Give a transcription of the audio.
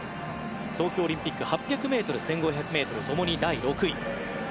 東京オリンピック８００ｍ、１５００ｍともに第６位。